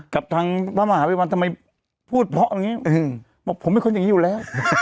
กับทางพระมหาวิวัลทำไมพูดเพราะอย่างนี้บอกผมเป็นคนอย่างนี้อยู่แล้ว